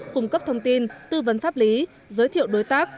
cung cấp thông tin tư vấn pháp lý giới thiệu đối tác